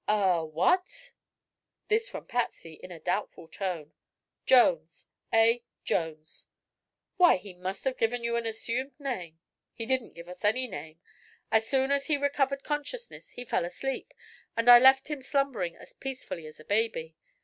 "A what?" This from Patsy, in a doubtful tone. "Jones. A. Jones." "Why, he must have given you an assumed name!" "He didn't give us any name. As soon as he recovered consciousness he fell asleep, and I left him slumbering as peacefully as a baby.